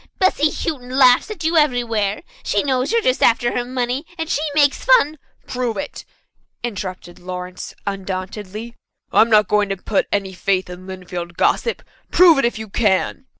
"Bessy Houghton laughs at you everywhere. She knows you're just after her money, and she makes fun " "Prove it," interrupted Lawrence undauntedly, "I'm not going to put any faith in Lynnfield gossip. Prove it if you can."